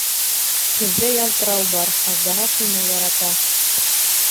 Һеҙҙә ялтырау бар, Аждаһа шуны ярата.